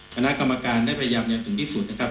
คณะกรรมการต้องยังมีการที่สุดนะครับ